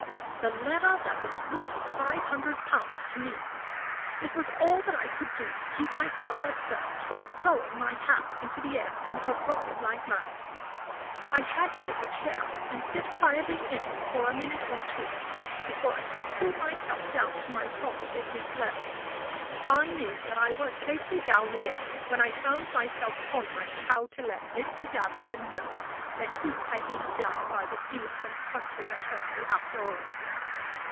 The letter that was worth five hundred pounds to me! It was all that I could do to keep myself at first from throwing my hat into the air, and hurrahing like mad. I had to take a chair and sit quiet in it for a minute or two, before I could cool myself down to my proper business level. I knew that I was safely down again when I found myself pondering how to let Mr. Davager know that he had been done by the innocent country attorney, after all.